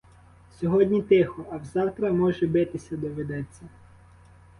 Сьогодні тихо, а взавтра, може, битися доведеться.